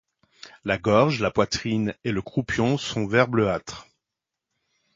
La gorge, la poitrine et le croupion sont vert bleuâtre.